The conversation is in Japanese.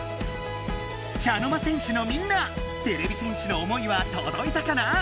茶の間戦士のみんなてれび戦士の思いはとどいたかな？